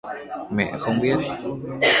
Mẹ không biết